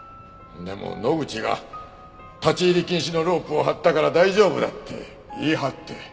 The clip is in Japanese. でも野口が「立ち入り禁止のロープを張ったから大丈夫だ」って言い張って。